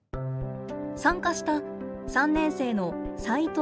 参加した３年生の齋藤理さん。